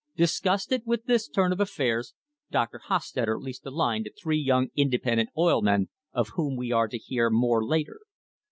Disgusted with this turn of affairs Dr. Hostetter leased the line to three young independent oil men of whom we are to hear more later.